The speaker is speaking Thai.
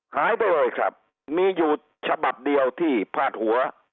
หายไปเลยครับมีอยู่ฉบับเดียวที่พาดหัว